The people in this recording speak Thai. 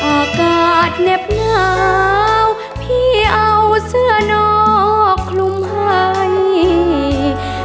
อากาศแนบหนาวพี่เอาเสื้อนอกลุมไพร